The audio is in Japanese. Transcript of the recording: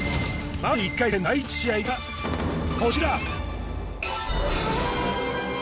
まず１回戦第１試合がこちら